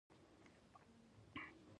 • راډیو، تلویزیون او کمپیوټر اختراع شول.